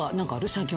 最近。